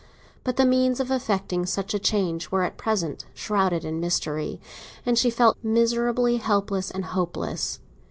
But the means of effecting such a change were at present shrouded in mystery, and she felt miserably helpless and hopeless.